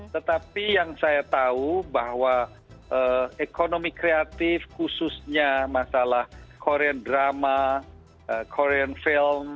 tetapi yang saya tahu bahwa ekonomi kreatif khususnya masalah korean drama korean film